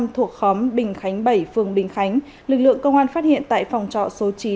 thuộc khóm bình khánh bảy phường bình khánh lực lượng công an phát hiện tại phòng trọ số chín